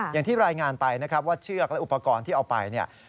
อย่างที่รายงานไปนะครับว่าเชือกและอุปกรณ์ที่เอาไปเนี่ย